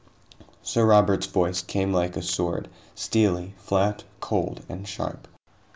Sir Robert's voice came like a sword: steely, flat, cold, and sharp.